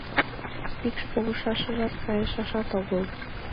Пӱкш погашыжат кайышашат огыл.